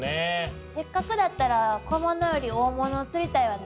せっかくだったら小物より大物釣りたいわね。